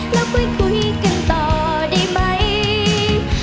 แล้วค่อยคุยกันต่อได้ไหม